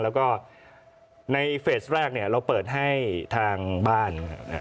แล้วก็ในเฟสแรกเนี่ยเราเปิดให้ทางบ้าน